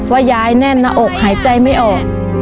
ว่ายายแน่นหน้าอกหายใจไม่ออก